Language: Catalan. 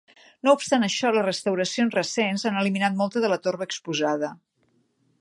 No obstant això, les restauracions recents han eliminat molta de la torba exposada.